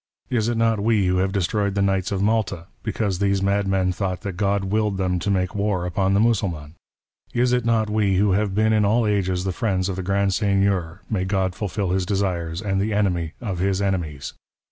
Is it not we who have destroyed the Knights ''of Malta, because these madmen thought that God willed " them to make war upon the Mussulman ? Is it not we who " have been in all ages the friends of the Grand Seigneur — may " God fulfil his desires — and the enemv of his enemies.